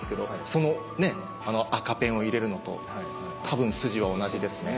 その赤ペンを入れるのと多分筋は同じですね。